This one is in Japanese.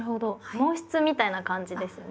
毛筆みたいな感じですね。